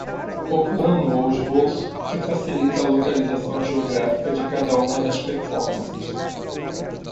O plano ou esboço, que facilita a localização geográfica de cada uma das performances.